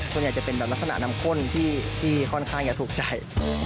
ส่วนใหญ่จะเป็นแบบลักษณะน้ำข้นที่ค่อนข้างจะถูกใจ